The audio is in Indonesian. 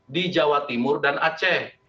di jawa timur dan aceh